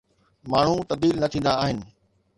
ماڻهو تبديل نه ٿيندا آهن.